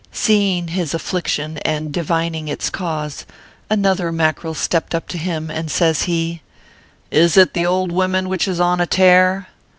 Seeing his affliction, and divining its cause, another Mackerel stepped up to him, and says he : "Is it the old woman which is on a tare